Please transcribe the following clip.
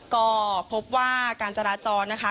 ก็พบว่าการจราจรนะคะ